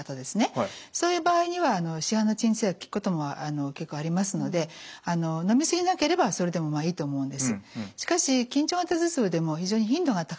そういう場合には市販の鎮痛薬効くことも結構ありますのでのみ過ぎなければそれでもいいと思うんです。